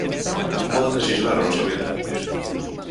Non poden lexislar a nosa vida, dis.